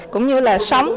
cũng như là sống